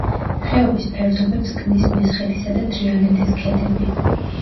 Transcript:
ხეობის ფერდობებს ქმნის მესხეთისა და თრიალეთის ქედები.